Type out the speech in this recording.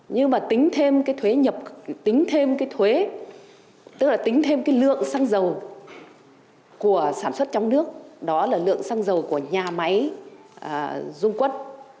nhưng mà tính thêm lượng xăng dầu của sản xuất trong nước đó là lượng xăng dầu của nhà máy dung quân